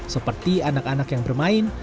seperti anak anak yang bermain